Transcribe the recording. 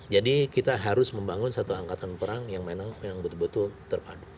jadi kita harus membangun satu angkatan perang yang benar benar betul betul terpadu